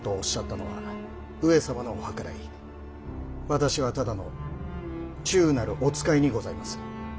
私はただの忠なるお使いにございます。